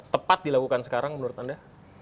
tepat dilakukan sekarang menurut anda